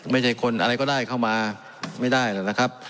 ไม่ใช่คนอะไรก็ได้เข้ามาไม่ได้นะครับ